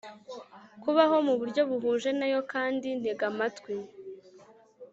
Kubaho mu buryo buhuje na yo kandi ntega amatwi